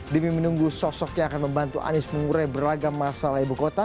demi menunggu sosok yang akan membantu anies mengurai beragam masalah ibu kota